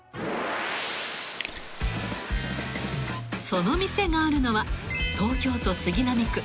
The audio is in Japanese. ［その店があるのは東京都杉並区］